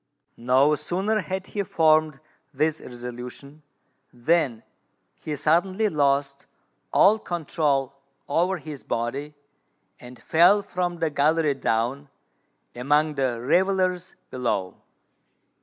No sooner had he formed this resolution, than he suddenly lost all control over his body, and fell from the gallery down among the revellers below.